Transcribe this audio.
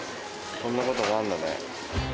こんなこともあるんだね。